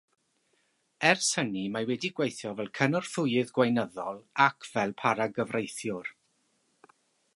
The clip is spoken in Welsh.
Ers hynny mae wedi gweithio fel cynorthwyydd gweinyddol ac fel paragyfreithiwr.